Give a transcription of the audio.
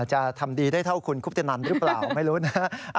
จะทำดีได้เท่าคุณคุปตนันหรือเปล่าไม่รู้นะ